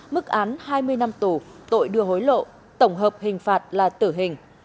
mức án hai mươi năm tù tội đưa hối lộ tổng hợp hình phạt là tử hình